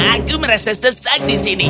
aku merasa sesak di sini